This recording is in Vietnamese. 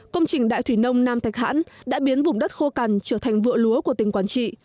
công trình đại thủy nông nam thạch hãn đã biến vùng đất khô cằn trở thành vựa lúa của tỉnh quảng trị